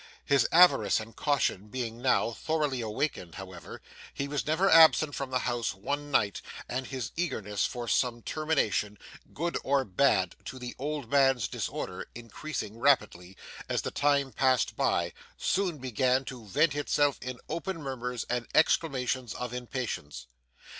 His avarice and caution being, now, thoroughly awakened, however, he was never absent from the house one night; and his eagerness for some termination, good or bad, to the old man's disorder, increasing rapidly, as the time passed by, soon began to vent itself in open murmurs and exclamations of impatience.